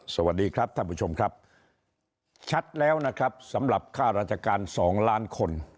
สวัสดีครับท่านผู้ชมครับชัดแล้วนะครับสำหรับค่าราชการ๒ล้านคน